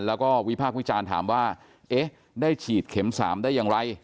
แล้วก็วิพากษ์วิจารณ์ถามว่าเอ๊ะได้ฉีดเข็ม๓ได้อย่างไร